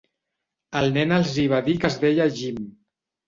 El nen els hi va dir que es deia Jim.